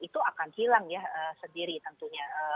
itu akan hilang ya sendiri tentunya